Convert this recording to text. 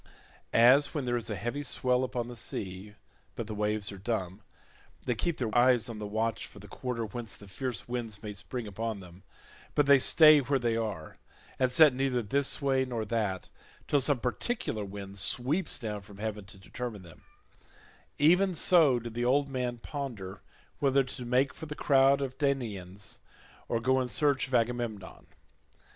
As when there is a heavy swell upon the sea, but the waves are dumb—they keep their eyes on the watch for the quarter whence the fierce winds may spring upon them, but they stay where they are and set neither this way nor that, till some particular wind sweeps down from heaven to determine them—even so did the old man ponder whether to make for the crowd of Danaans, or go in search of Agamemnon.